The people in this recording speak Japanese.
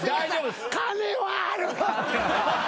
金はある！